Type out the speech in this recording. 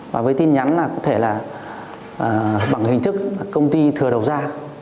và với tin nhắn là có thể là bằng hình thức công ty thừa đầu ra